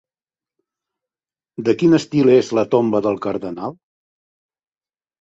De quin estil és la tomba del Cardenal?